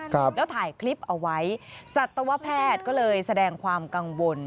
ครับแล้วถ่ายคลิปเอาไว้สัตวแพทย์ก็เลยแสดงความกังวล